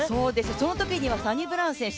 そのときにはサニブラウン選手